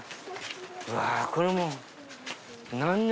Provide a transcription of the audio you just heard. うわこれも。